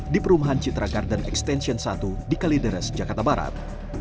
di perumahan citra garden extension satu di kalideres jakarta barat